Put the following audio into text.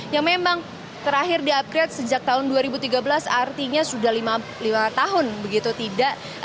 yang memang terakhir di upgrade sejak tahun dua ribu tiga belas artinya sudah lima tahun begitu tidak